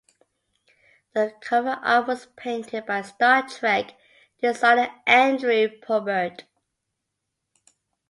The cover art was painted by "Star Trek" designer Andrew Probert.